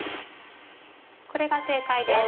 これが正解です。